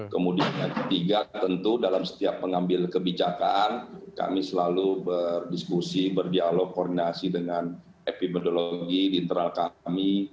kemudian yang ketiga tentu dalam setiap pengambil kebijakan kami selalu berdiskusi berdialog koordinasi dengan epidemiologi di internal kami